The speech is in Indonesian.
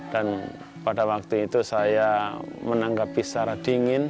dan pada waktu itu saya menanggapi secara dingin